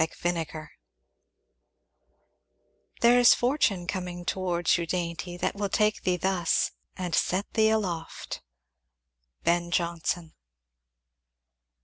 Chapter XLVI There is a fortune coming Towards you, dainty, that will take thee thus, And set thee aloft. Ben Jonson.